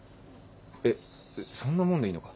えっそんなもんでいいのか。